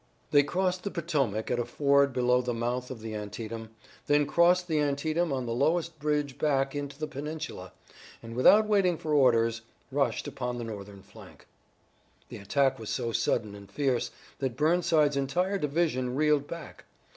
They crossed the Potomac at a ford below the mouth of the Antietam, then crossed the Antietam on the lowest bridge back into the peninsula, and without waiting for orders rushed upon the Northern flank. The attack was so sudden and fierce that Burnside's entire division reeled back.